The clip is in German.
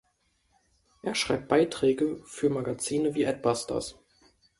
Er schreibt Beiträge für Magazine wie Adbusters.